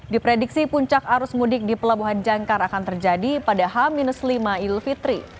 di prediksi puncak arus mudik di pelabuhan jangkar akan terjadi pada h lima ilfitri